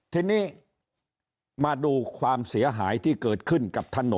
ทีนี้มาดูความเสียหายที่เกิดขึ้นกับถนน